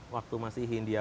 waktu masih hindia